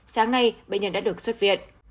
sáng nay bệnh nhân đã được xuất viện